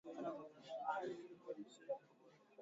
Aliandika siku ya Alhamisi.